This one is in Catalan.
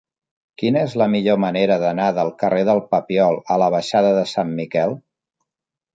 Quina és la millor manera d'anar del carrer del Papiol a la baixada de Sant Miquel?